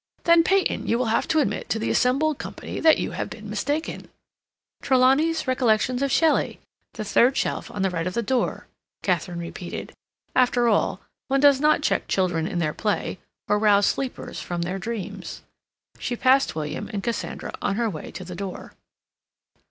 Then, Peyton, you will have to admit to the assembled company that you have been mistaken." "'Trelawny's Recollections of Shelley.' The third shelf on the right of the door," Katharine repeated. After all, one does not check children in their play, or rouse sleepers from their dreams. She passed William and Cassandra on her way to the door.